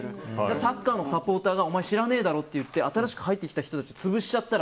サッカーのサポーターがお前、知らねえだろって言って新しく入ってきた人を潰しちゃったら